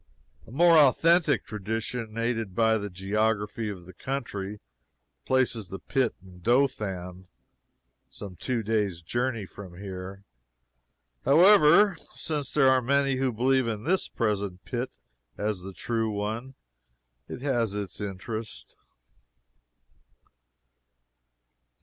A more authentic tradition, aided by the geography of the country, places the pit in Dothan, some two days' journey from here. However, since there are many who believe in this present pit as the true one, it has its interest.